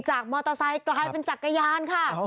มอเตอร์ไซค์กลายเป็นจักรยานค่ะ